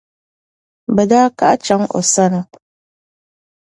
bɛ daa kahi chaŋ o sani.